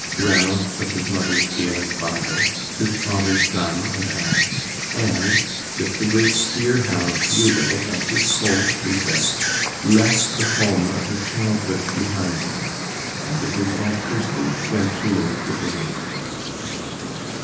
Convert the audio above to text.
Ranald took his mother's Gaelic Bible, his father's gun and ax, and with the great deerhound, Bugle, and his colt, Lisette, left the home of his childhood behind him, and with his Aunt Kirsty, went to live with his uncle.